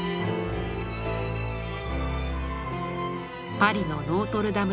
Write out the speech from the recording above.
パリのノートルダム